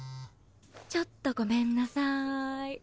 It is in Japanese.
ちょっとごめんなさい。